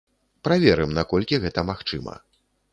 Праверым, наколькі гэта магчыма.